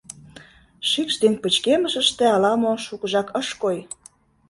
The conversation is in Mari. Шикш ден пычкемышыште ала-мо шукыжак ыш кой.